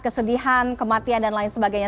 kesedihan kematian dan lain sebagainya